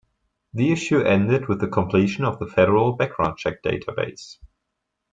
The issue ended with the completion of the federal background check database.